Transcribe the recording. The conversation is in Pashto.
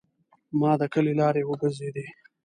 ما د کلي لارې وګرځیدې.